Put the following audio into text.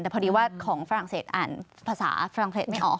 แต่พอดีว่าของฝรั่งเศสอ่านภาษาฝรั่งเศสไม่ออก